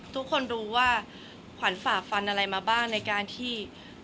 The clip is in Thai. ทุกคนรู้ว่าขวัญฝากฟันอะไรมาบ้างในการที่